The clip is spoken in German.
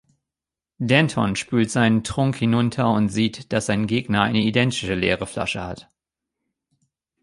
Denton spült seinen Trunk hinunter und sieht, dass sein Gegner eine identische leere Flasche hat.